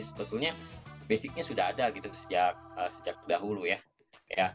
sebetulnya basicnya sudah ada gitu sejak dahulu ya